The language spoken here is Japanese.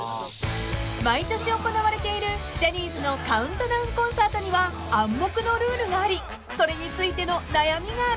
［毎年行われているジャニーズのカウントダウンコンサートには暗黙のルールがありそれについての悩みがあるそうです］